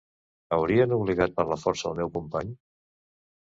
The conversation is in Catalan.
Haurien obligat per la força el meu company?